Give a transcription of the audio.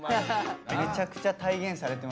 めちゃくちゃ体現されてましたね。